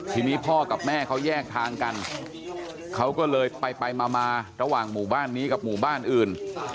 ทีนี้พ่อกับแม่เขาแยกทางกันเขาก็เลยไปมาระหว่างหมู่บ้านนี้กับหมู่บ้านอื่น